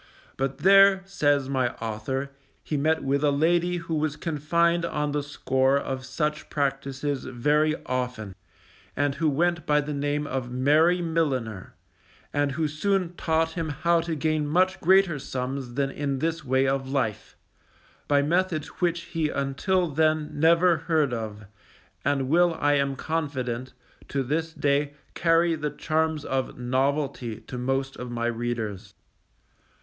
But there, says my author, he met with a lady who was confined on the score of such practices very often, and who went by the name of Mary Milliner; and who soon taught him how to gain much greater sums than in this way of life, by methods which he until then never heard of, and will I am confident, to this day carry the charms of novelty to most of my readers.